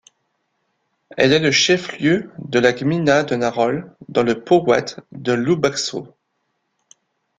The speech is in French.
Elle est le chef-lieu de la gmina de Narol, dans le powiat de Lubaczów.